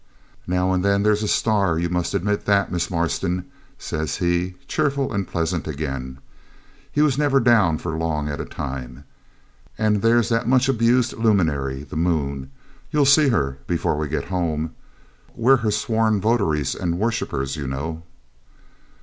'Now and then there's a star; you must admit that, Miss Marston,' says he, cheerful and pleasant again; he was never down for long at a time. 'And there's that much abused luminary, the moon; you'll see her before we get home. We're her sworn votaries and worshippers, you know.'